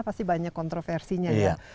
pasti banyak kontroversinya ya